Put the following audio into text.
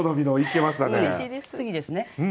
次ですね